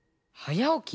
はやおき？